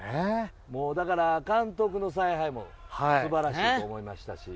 だから監督の采配も素晴らしいと思いましたし